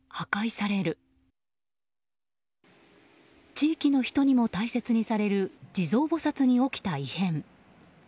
地域の人にも大切にされる地蔵菩薩に起きた異変。